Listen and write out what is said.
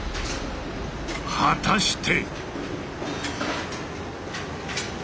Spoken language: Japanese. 果たして。